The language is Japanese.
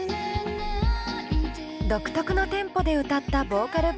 独特のテンポで歌ったボーカル部分がこちら。